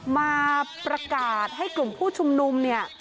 มาประกาศให้กลุ่มผู้ชุมนุมเนี่ย